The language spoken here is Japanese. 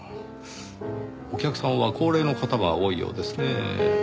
お客さんは高齢の方が多いようですねぇ。